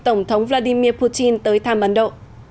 tổng thống vladimir putin tới thăm ấn độ